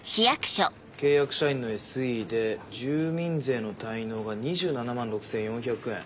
契約社員のＳＥで住民税の滞納が２７万６４００円。